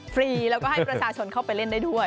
ฟรีแล้วก็ให้ประชาชนเข้าไปเล่นได้ด้วย